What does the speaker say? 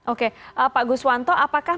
oke pak guswanto apakah